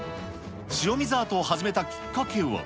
塩水アートを始めたきっかけは。